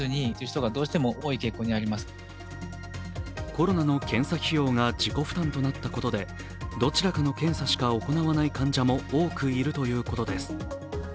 コロナの検査費用が自己負担となったことでどちらかの検査しか行わない患者も多くいるということです。